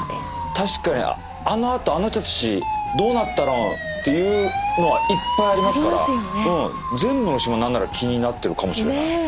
確かにあのあとあの人たちどうなったのっていうのはいっぱいありますから全部の島何なら気になってるかもしれない。